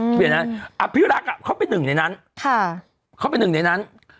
พี่รักเขาเป็นหนึ่งในนั้น